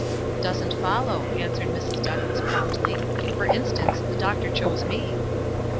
"Doesn't follow," answered Mrs. Douglass, promptly. "For instance, the doctor chose me."